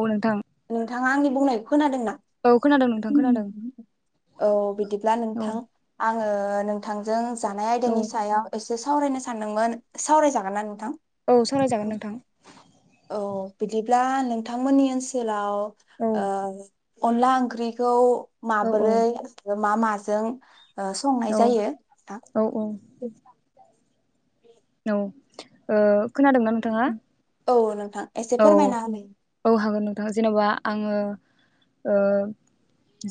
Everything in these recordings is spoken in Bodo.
औ नोंथां नोंथाङा आंनि बुंनायखौ खोनादोंना? औ खोनादों नोंथां खोनादों [inaudible] औ बिदिब्ला औ नोंथां आङो नों थांजों जानाय औ आयदानि सायाव एसे सो सावरायनो सानदोंमोन सावरायजागोन ना नोंथां? औ सावरायजागोन नोंथां। औ बिदिब्ला नोंथांमोननि ओनसोलाव औ ओ अनला ओंख्रिखौ औ औ माबोरै मा मा जों ओ संनाय जायो औ नोंथां? औ औ ओ खोनादोंना नोंथाङा? औ नोंथां एसे औ फोरमायना होनाय औ हागोन नोंथाङा जेन'बा आङो ओ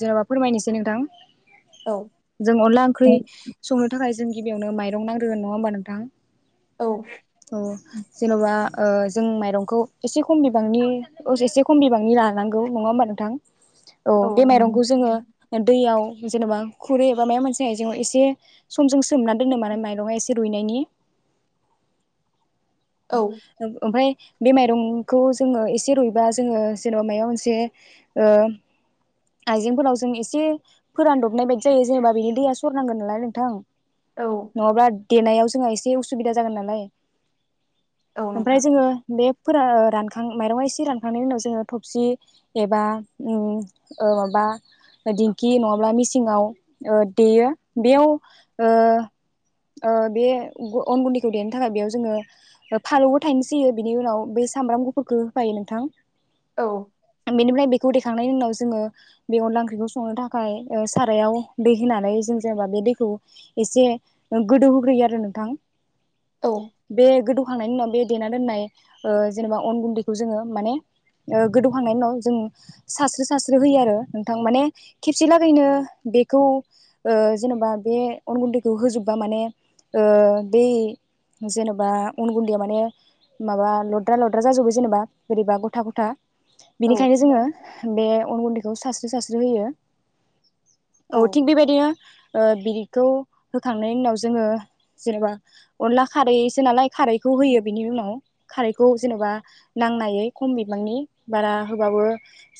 जेन'बा फोरमायनोसै नोंथां। औ जों अनला ओंख्रि औ संनो थाखाय जों गिबियावनो माइरं नांग्रोगोन नङा होमबा नोंथां। औ अह जेन'बा ओ जों माइरंखौ एसे खम बिबांनि एसे खम बिबांनि लानांगौ नङा होमबा नोंथां। औ बे माइरंखौ जोङो दैयाव जेनेबा खुरै एबा माबा मोनसे आइजेङाव एसे समजों सोमना दोननो माने माइरङा एसे रुइनायनि ओ-ओमफाय बे माइरंखौ जोङो एसे रुइबा जोङो जेन' मायबा मोनसे ओ आइजेंफोराव जों एसे फोरानदबनाय बायदि जायो जेनेबा बिनि दैया सरनांगोन नालाय नोंथां। औ नङाबा देनायाव जोंहा एसे उसुबिदा जागोन नालाय। औ नोंथां ओमफ्राय जोङो बे फोरा रानखां माइरंङा एसे रानखांनायनि उनाव जोङो थबसि एबा उम ओ माबा दिंखि नङाब्ला मिसिङाव ओ देयो बेयाव ओ ओ बे ग अन गुन्दैखौ देनो थाखाय बेयाव जोङो फालौबो थायनैसै होयो बिनि उनाव बै सामब्राम गुफुरखो होफायो नोंथां। औ। बेनिफ्राय बेखौ दैेखांनायनि उनाव जोङो बे अनला ओंख्रिखौ संनो थाखाय ओ सारायाव दै होनानै जों जेनेबा बे दैखौ एसे गोदौहोग्रोयो आरो नोंथां। औ। बे गोदौखांनायनि उनाव बे देना दोननाय ओ जेनेबा अन गुन्दैखौ जोङो माने गोदौखांनायनि उनाव जों सास्रो सास्रो होयो आरो नोंथां माने खेबसे लागैनो बेखौ ओ जेन'बा बे अन गुन्दैखौ होजोबबा माने ओ बेै जेन' बा अन गुन्दैया माने माबा लद्रा लद्रा जाजोबो जेनेबा बोरैबा गथा गथा। औ बेनिखायनो जोङो बे अन गुन्दैखौ सास सो सास्रो होयो। औ थिग बेबायदिनो ओ बिदिखौ होखांनायनि उनाव जोङो जेनेबा अनला खारै जोंनाालाय खारैखौ होयो बिनि उनाव खारैखौ जेनेबा नांनायै खम बिबांनि बारा होबाबो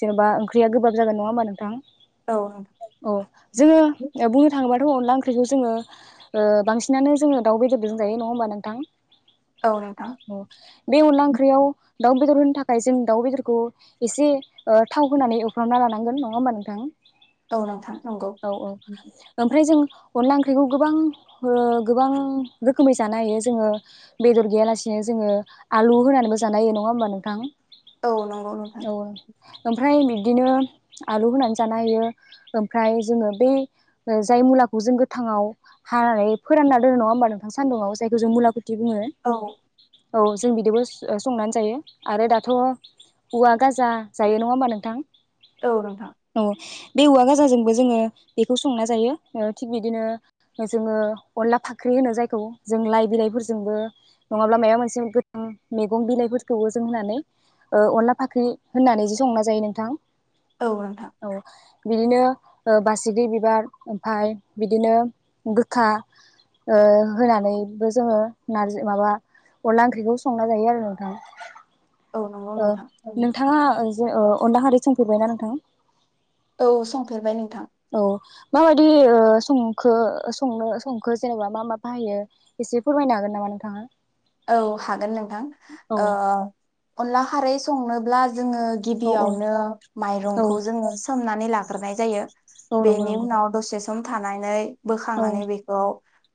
जेनेबा ओंख्रिया गोबाब जागोन नङा होमबा नोंथां औ औ जोङो औ बुंनो थाङोबाथ अनला ओंख्रि खौ जोङो ओ बांसिनानो जोङो दाउ बेदरजों जायो नङा होमबा नोंथां औ नोंथां औ बे अनला ओंख्रियाव दाउ बेदर होनो थाखाय जों दाउ बेदरखौ एसे ओ थाव होनानै एफ्रामना लानांगोन नङा होमबा नोंथां औ नोंथां नंगौ औ औ ओमफ्राय जों अनला ओंख्रिखौ गोबां ओ गोबां रोखोमै जानो हायो जोङो बेदर गैयालासिनो जोङो आलु होनानैबो जानाय हायो नङा होमबा नोंथां। औ नंगौ नोंथां। औ ओमफ्राय बिब्दिनो आलु होनानै जानो हायो ओमफ्राय जोङो बे जाय मुलाखौ जों गोथाङाव हानानै फोरानना दोनो नङा होमबा नोंथां सान्दुंङाव जायखौ जों मुलाखौ बिदि बुङो। औ औ जों बिदिबो संनानै जायो आरो दाथ' औवा गाजा जायो नङा होमबा नोंथां। औ नोंथां। औ बे औवा गाजोंबो जोङो बेखौ संना जायो थिग बिदिनो जोङो अनला फाख्रि होनो जायखौ जों लाइ बिलाइफोर जोंबो नङाब्ला माबा मोनसे गोथां मैगं बिलाइफोरखौबो जों होननानै ओ अनला फाख्रि होननानै ज संना जायो नोंथां। औ नोंथां औ। बिदिनो बासिग्रि बिबार ओमफाय बिदिनो गोखा ओ होनानैबो जोङो नारजि माबा अनला ओंख्रिखौ संना जायो आरो नोंथां। औ नंगौ ओ नोंथां नोंथाङा अ अनल्दाखारि संफेरबाय ना नोंथां। औ संफेरबाय नोंथां। औ माबायदि ओ संखो सनो संखो जेनेबा मा मा बाहायो एसे फोरमायनो हागोन गोन नोंथाङा। औ हागोन नोंथां औ अनला खारै संनो ब्ला जोङो औ औ गिबियावनो औ माइरंखौ जोङो सोमनानै लाग्रोनाय जायो। औ नंगौ बेनि नंगौ उनाव दसे सम थानानै औ बोखांनानै बेखौ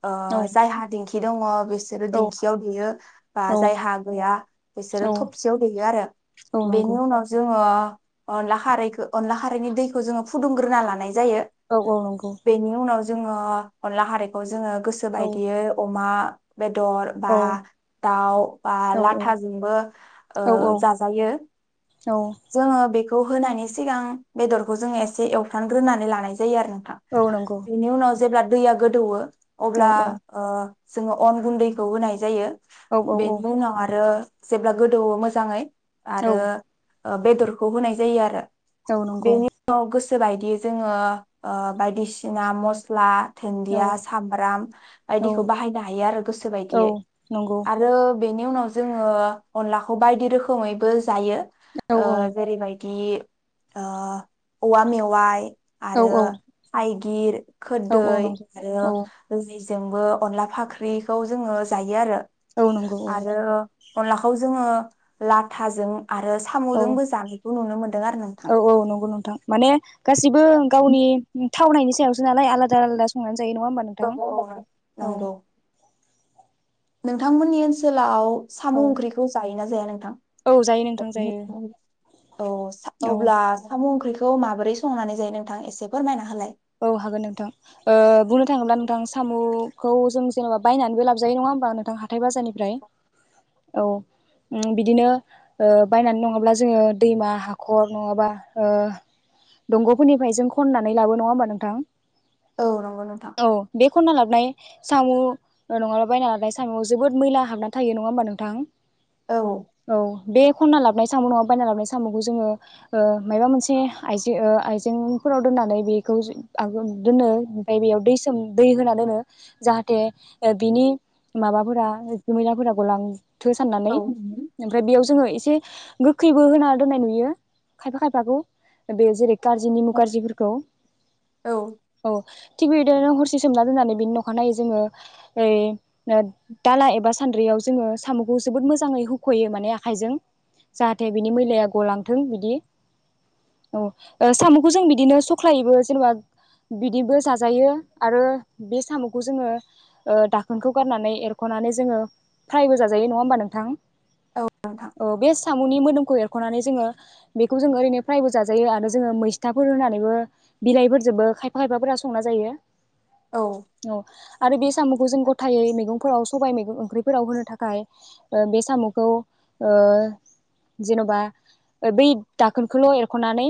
ओ औ जायहा दिंखि दङ बेस सोरो औ दिंखि [unintelligible] बा औ जायहा गैया बिसोरो औ थबसियाव देयो आरो औ बेनि नंगौ उनाव जों अ अनला खारैखो अनला हायैनि दैखौ जोङो फुदुंग्रोना लानाय जायो औ औ नंगौ बेनि उनाव जोङो अनला खारैखौ जोङो गोसो औ बायदियै अमा बेदर बा औ दाउ बा औ लाथाजोंबो ओ औ जाजायो। जोङो बे बेखौ होनायनि सिगां बेदरखौ जोङो एसे एवफ्रानग्रोनानै लानाय जायो आरो। औ नंगौ बेनि उनाव जेब्ला दैया गोदौवो औ अब्ला ओ जोङो अन गुन्दैखौ होनाय जायो। औ औ बेेनि उनाव आरो जेब्ला गोदौवो मोजाङै आरो औ बेदरखौ होनाय जायो आरो। नंगौ बेनि उनाव गोसोबायदि जोङो ओ बायदिसिना मस्ला औ दुन्दिया नंगौ सामब्राम बायदिखौ बाहायनो हायो आरो गोसो औ बायदियै नंगौ आरो बेनि उनाव जोङो अनलाखौ बायदि रोखोमैबो जायो। औ ओ जेरै बादि बिदि ओ औवा मेवाइ आरो [unintelligible] [unintelligible] खोरदै आरो जोंबो अनला फाख्रिखौ जोङो जायो आरो। औ नंगौ आरो अनलाखौ जोङो लाथाजों आरो औ औ सामजोंबो जानायखौ नुनो मोनदों आरो नोंथां। औ औ नंगौ नोंथां माने गासिबो गावनि थावनायनि सायावसो नालाय आलादा आलादा संनानै जायो नङा होमबा औ औ नोंथां औ। नंगौ नोंथांमोननि ओनसोलाव साम औ ओंख्रिखौ जायोना? जाया औ जायो नोंथां जायो नों औ औ अब्ला साम ओंख्रि खौ माबोरै संनानै जायो नोंथां एसे फोरमायना होलाय। औ हागोन नोंथां। ओ बुंनो थाङोब्ला नोंथां सामुखौ जों जेनेबा बायनानैबो लाबजायो नङा होमबा नोंथां हाथाय बाजारनिफ्राय। औ ओम बिदिनो ओ बायनानै नङाब्ला जोङो दैमा हाखर नङाबा ओ दंगफोरनिफ्राय जों खननानै लाबो नङा होमबा नोंथां औ नंगौ नोंथां औ बे खनना ला नाय सामु नङाब्ला बायना लाबोनाय सामुआव जोबोद मैला हाबना थायो। नङा होमबा नोंथां? औ। औ बे खनना लाबोनाय सामु नङाबा बायना लाबाय सामुखौ जोङो ओ मायबा मोनसे आइजो ओ आइजेंफोराव दोननानै बेखौ [unintelligible] दोनो ओमफ्राय बेयाव दै सोम दै होना दोनो जाहाथे ओ बिनि माबाफोरा जे मैलाफोरा गलां थो औ साननानै ओमफ्राय बेयाव जोङो एसे गोखैबो होना दोन्नाय नुयो खायफा खायफाखौ। बे जेरै गाज्रि निमु गाज्रिफोरखौ औ औ। थिगबिदिनो हरसे सोमना दोननानै बिनि नखानायै जोङो ओइ दाला एबा सान्द्रियाव जोङो सामुखौ जोबोद मोजाङै होख'यो माने आखाइजों। जाहाथे बिनि मैलाया गलांथों बिदि। ओ सामुखौ जों बिदिनो सख्लायोबो। जेनेबा बिदिबो जाजायो आरो बे सामुखौ जोङो ओ दा खोनखौ गारनानै एरख'नानै जोङो फ्रायबो जाजायो नङा होमबा नोंथां। औ नोंथां औ बे साम'नि मोदोमखौ एर ख'नानै जोङो बेखौ जोङो ओरैनो फ्रायबो जाजायो आरो जोङो मैस्थाफोर होनानैबो बिलाइफोरजोबो खायफा खायफाफोरा संना जायो। औ औ। आरो बे साम'खौ जों गथायै मैगंफोराव सबाय मैगं ओंख्रिफोराव होनो थाखाय ओ बे साम'खौ ओ जेन'बा बै दाखोनखोल' एरख'नानै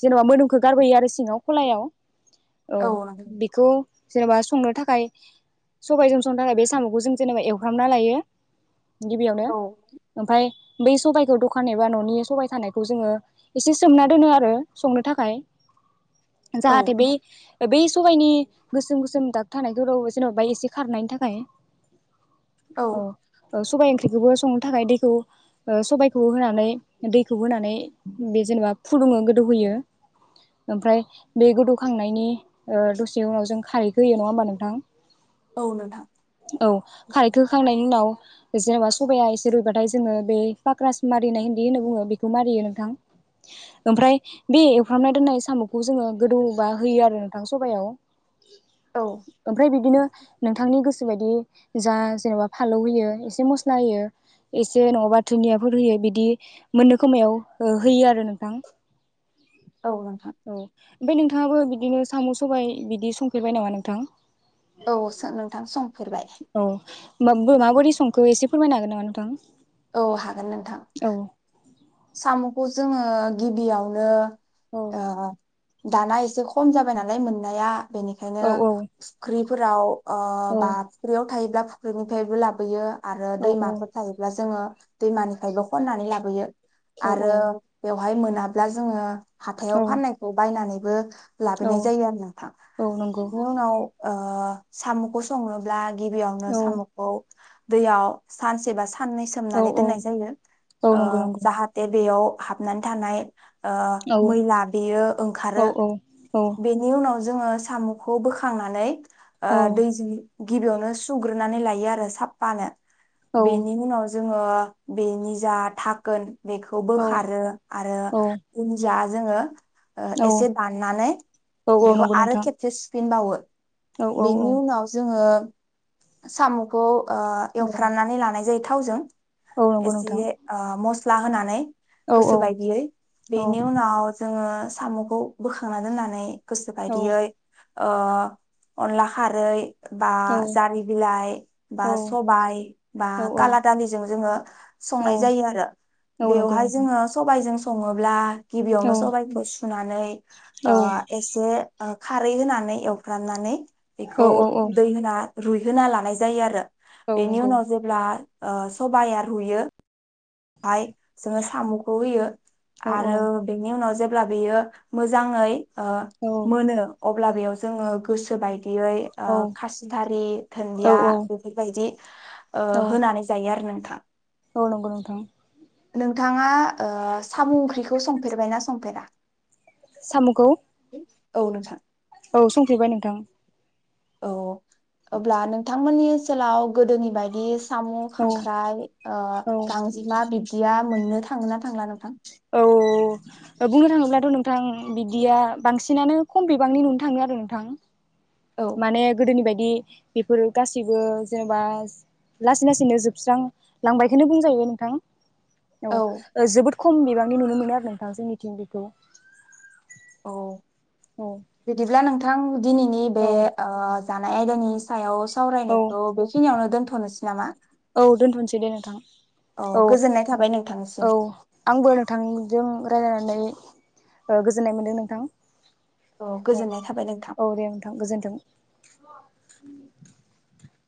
जेन'बा मोदोमखो गारबोयो आरो सिङाव। ख'लायाव औ बेखौ जेनेबा संनो थाखाय सबायजों संनो थाखाय बे साम'खौ जों जेनेबा एवफ्रामना लायो। गिबियावनो। औ ओमफाय बै सबाइखौ दखान एबा न'नि सबाय थानायखौ जोङो एसे सोमना दोनो आरो संनो थाखाय। औ जाहाथे बै बै सबायनि गोसोम गोसोम दाग थानायखौ [unintelligible] जेन'बा एसे खारनायनि थाखाय। औ औ सबाय ओंख्रिखौबो संनो थाखाय दै [unintelligible] सबायखौबो होनानै दैखौबो होनानै बे जेनेबा फुदुङो गोदौहोयो। ओमफाय बे गोदौखांनायनि ओ दसे उनाव जों खारैखो होयो। नङा होमबा नोंथां? औ नोंथां औ खारैखौ होखांनायनि उनाव जेनेबा सबाया एसे रुइबाथाय जोङो बे पाक्रास मारिनाय [unintelligible] होनना बुङो बेखौ मारियो नोंथां। ओमफ्राय बे एवफ्रामना दोननाय साम'खौ जोङो गोदौबा होयो आरो नोंथां सबायाव औ ओमफ्राय बिदिनो नोंथांनि गोसो गोसो बायदि जा जेन'बा फालौ होयो एसे मस्ला होयो एसे नङाबा धुननियाफोर होयो बिदि मोननो खोमायाव होयो आरो नोंथां औ नोंथां औ [unintelligible] नोंथाङाबो बिदिनो साम' सबाय बिदि संफेरबाय नामा नोंथां औ सो नोंथां संफेरबाय औ माब माबायदि संखौ एसे फोरमायनो हागोन नामा नोंथां। औ हागोन नोंथां औ साम'खौ जोङो गिबियावनो औ ओ दाना एसे खम जाबाय नालाय मोननाया बेनिखायनो औ औ संख्रि फोराव अ औ बा फुख्रियाव थायोब्ला फुख्रिनिफ्रायबो लाबोयो आरो औ औ दैमाफोर थायोब्ला जोङो दैमानिफ्रायबो खननानै लाबोयो। आरो बेव हाय मोनाब्ला जोङो औ हाथायाव फाननायखौ बायनानै बो औ लाबोनाय जायो आरो नोंथां औ नंगौ बेनि उनाव ओ सामुखौ सङोब्ला गिबियावनो औ सामखौ दैयाव सानसेबा सा साननै औ सोमनानै औ दोननाय जायो औ नंगौ नंगौ ओ हाथे बेयाव हाबनानै थानाय ओ औ मैला बेयो ओंखारो औ औ औ बेनि उनाव जोङो साम'खौ बोखांनानै ओ दैजों गिबियावनो सुग्रोनानै लायो आरो साफानो बेनि उनाव जोङो बेनि जा था गोन बेखौ बोखारो आरो औ उनजा जोङो ओ औ एसे दाननानै औ औ बेखौ नंगौ आरो नोंथां खेबसे फिनबावो औ औ औ बेनि उनाव जोङो सामुखौ ओ एवफ्रामनानै लानाय जायो थावजों औ नंगौ एसे नोंथां ओ मस स्ला होनानै औ औ गोसो बायदियै औ बेनि उनाव जोङो साम'खौ बोखांना दोननानै गोसो औ बायदियै ओ अनला खारै बा औ जारि बिलाइ बा सबायाइ बा औ काला दालिजों जोङो औ संनाय जायो आरो औ नंगौ बेवहाय नोंथां जोङो सबाइ इजों सङोब्ला औ गिबियावनो सबाइखौ सुनानै ओ एसे ओ खारै होनानै एवफ्रामनानै औ बेखौ दै होना रुयो होना लानाय जायो आरो औ बेनि नंगौ उनाव जेब्ला ओ सबाया रुयो हाय जोङो साम'खौ होयो औ औ आरो बेनि उनाव जे ब्ला बेयो मोजाङै ओ औ मोनो अब्ला बेयाव जोङो गोसो बाय यै ओ औ खासिदारि औ दुन्दिया बेफोरबायदि ओ होनानै जायो आरो न थां औ नंगौ नोंथां नोंथाङा ओ साम' ओंख्रिखौ संफेरबायना संफेरा सामखौ औ नोंथां औ संफैबाय नोंथां औ अब्ला नोंथांमोननि सोलाव गोदोनि बायदि साम' औ खांख्राइ ओ औ गांजेमा बिब्दिया मोननो था थांङो ना थांला नोंथां। औ बुंनो थाङोब्लाथ' नोंथां बिदिया बांसिन नानो खम बिबांनि नुनो थाङो आरो नोंथां। औ माने गोदोनि बाय दि बेफोर गासैबो जेनेबा लासै लासैनो जोबस्रां लांबायखनो बुंजायो नोंथां। औ ओ जोबोद। खम बिबांनि नुनो मोनो आरो नोंथां जोंनिथिं बिखौ औ। बिदिब्ला नोंथां। दिनैनि बे औ ओ जानाय आयदानि सायाव। औ सावरायनायखौ बेखिनियावनो दोनथ'नोसै नामा। औ दोनथ'नोसै दे नोंथां औ गोजोननाय थाबाय नोंथांनिसिम औ आंबो नोंथांजों रायलायनानै ओ गोजोननाय मोनदों नोंथां। औ गोजोननाय थाबाय नोंथां। औ दे नोंथां गोजोन्थों। [inaudible]